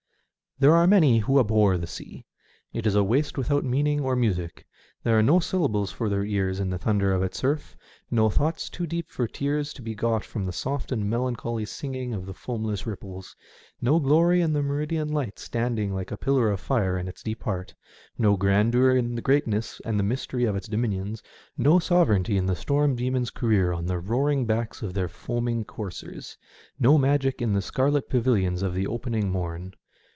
There are many who abhor the sea. It is a waste without meaning or music. There are no syllables for their ears in the thunder of its surf, no thoughts too deep for tears to be got from the soft and melancholy singing of the foamless ripples, no glory in the meridian light standing like a pillar of fire in its deep heart, no grandeur in the greatness and the mystery of its dominions, no sovereignty in the storm demons* career on the roaring backs of their foaming coursers, no magic in the scarlet pavilions of the opening morn.